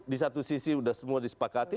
di satu sisi sudah semua disepakati